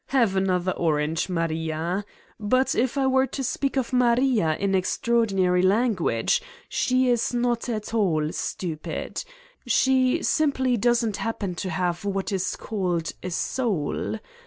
Have another orange, Maria. ... But if I were to speak of Maria in extraordi nary language she is not at all stupid. She simply doesn't happen to have what is called a soul.